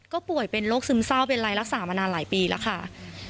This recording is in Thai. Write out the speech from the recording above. ก็ป่วยเป็นโรคซึมเศร้าเป็นไรรักษามานานหลายปีแล้วค่ะ